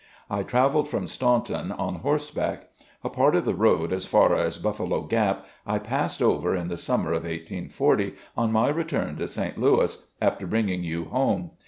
I travelled from Staunton on horseback. A part of the road, as far as Buffalo Gap, I passed over in the summer of 1840, on my return to St. Louis, after bringing you home.